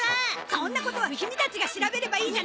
そんなことはキミたちが調べればいいじゃないか！